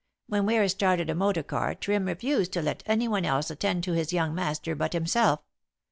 When Ware started a motor car Trim refused to let anyone else attend to his young master but himself.